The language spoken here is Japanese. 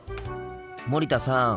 森田さん。